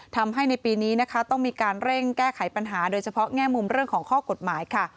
ทำให้ในปีนี้นะคะต้องมีการเร่งแก้ไขปัญหาโดยเฉพาะแง่มุมเรื่องของข้อกฎหมายค่ะ